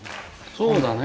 そうだね。